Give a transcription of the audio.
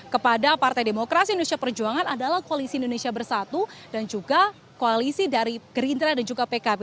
kepada partai demokrasi indonesia perjuangan adalah koalisi indonesia bersatu dan juga koalisi dari gerindra dan juga pkb